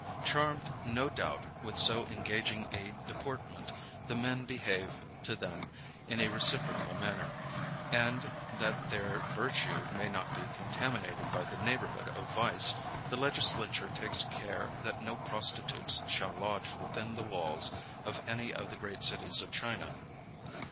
Charmed, no doubt, with so engaging a deportment, the men behave to them in a reciprocal manner. And, that their virtue may not be contaminated by the neighborhood of vice, the legislature takes care that no prostitutes shall lodge within the walls of any of the great cities of China.